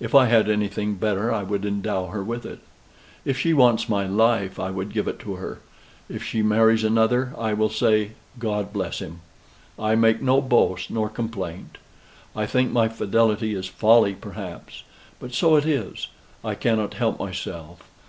If I had anything better, I would endow her with it. If she wants my life, I would give it her. If she marries another, I will say God bless him. I make no boast, nor no complaint. I think my fidelity is folly, perhaps. But so it is. I cannot help myself.